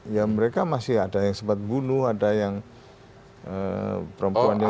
ya mereka masih ada yang sempat bunuh ada yang perempuan yang lain